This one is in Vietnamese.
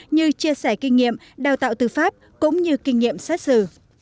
như chia sẻ kinh nghiệm đào tạo tư pháp cũng như kinh nghiệm xét xử